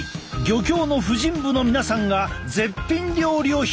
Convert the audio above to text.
漁協の婦人部の皆さんが絶品料理を披露！